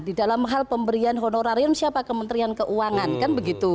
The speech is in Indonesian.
di dalam hal pemberian honorarium siapa kementerian keuangan kan begitu